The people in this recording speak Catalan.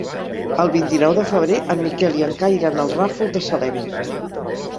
El vint-i-nou de febrer en Miquel i en Cai iran al Ràfol de Salem.